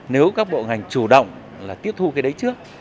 nếu các bộ ngành chủ động là tiếp thu cái đấy trước